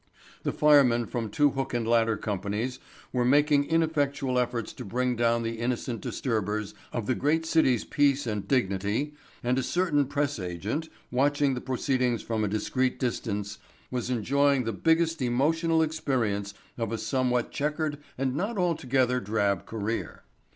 The firemen from two hook and ladder companies were making ineffectual efforts to bring down the innocent disturbers of the great city's peace and dignity and a certain press agent, watching the proceedings from a discreet distance, was enjoying the biggest emotional experience of a somewhat checkered and not altogether drab career.